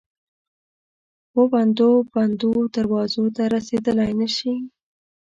وبندو، بندو دروازو ته رسیدلای نه شي